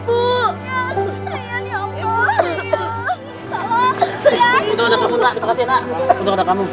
untuk ada kamu nak terima kasih nak untuk ada kamu